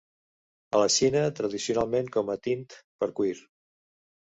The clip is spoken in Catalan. A la Xina tradicionalment com a tint per cuir.